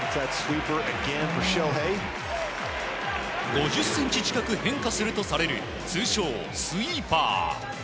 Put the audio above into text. ５０ｃｍ近く変化するとされる通称スイーパー。